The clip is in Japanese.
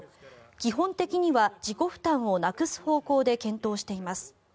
基本的には自己負担をなくす方向で検討しています。